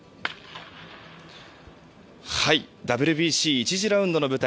ＷＢＣ１次ラウンドの舞台